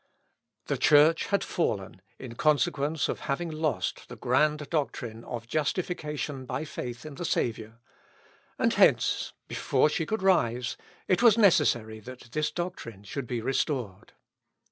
The Church had fallen in consequence of having lost the grand doctrine of Justification by faith in the Saviour; and hence, before she could rise, it was necessary that this doctrine should be restored.